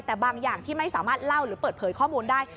แต่บางอย่างที่ไม่สามารถเล่าหรือเปิดเผยข้อมูลได้